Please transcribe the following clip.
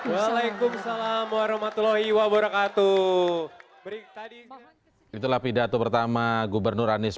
waalaikumsalam warahmatullahi wabarakatuh berita di itulah pidato pertama gubernur anies